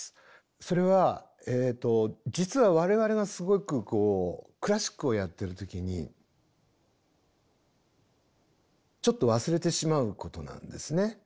それは実は我々がすごくこうクラシックをやってる時にちょっと忘れてしまうことなんですね。